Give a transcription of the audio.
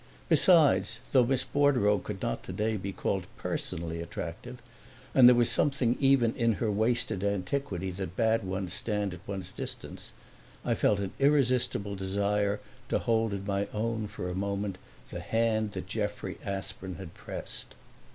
Besides, though Miss Bordereau could not today be called personally attractive and there was something even in her wasted antiquity that bade one stand at one's distance, I felt an irresistible desire to hold in my own for a moment the hand that Jeffrey Aspern had pressed.